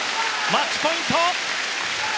マッチポイント！